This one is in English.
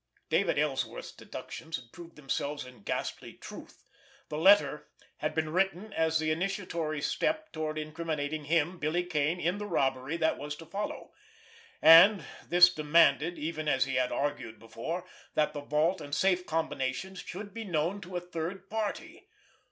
David Ellsworth's deductions had proved themselves in ghastly truth. The letter had been written as the initiatory step toward incriminating him, Billy Kane, in the robbery that was to follow; and this demanded, even as he had argued before, that the vault and safe combinations should be known to a third party.